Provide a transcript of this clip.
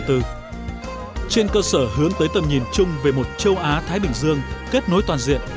trên cơ sở hướng tới tầm nhìn chung về một châu á thái bình dương kết nối toàn diện